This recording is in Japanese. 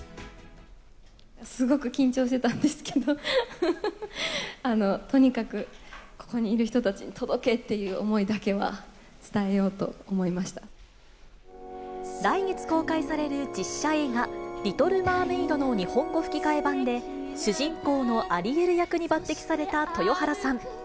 すごく緊張してたんですけど、とにかくここにいる人たちに届けっていう思いだけは伝えようと思来月公開される実写映画、リトル・マーメイドの日本語吹き替え版で、主人公のアリエル役に抜てきされた豊原さん。